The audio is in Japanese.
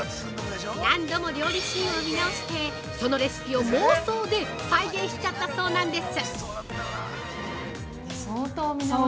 何度も料理シーンを見直してそのレシピを妄想で再現しちゃったそうなんです。